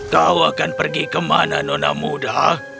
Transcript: kau akan pergi ke mana nona muda